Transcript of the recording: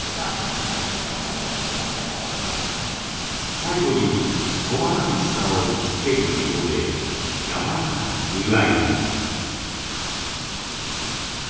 最後に細かい砂を吹きつける技法でやわらかな風合いに。